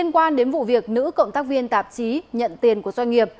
quan đến vụ việc nữ cộng tác viên tạp chí nhận tiền của doanh nghiệp